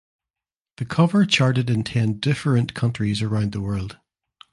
The cover charted in ten different countries around the world.